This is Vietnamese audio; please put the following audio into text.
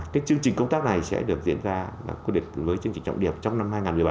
chương trình công tác này sẽ được diễn ra với chương trình trọng điểm trong năm hai nghìn một mươi bảy